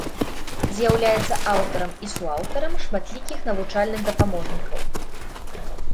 З'яўляецца аўтарам і суаўтарам шматлікіх навучальных дапаможнікаў.